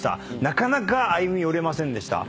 なかなか歩み寄れませんでした。